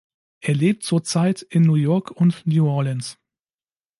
Er lebt zurzeit in New York und New Orleans.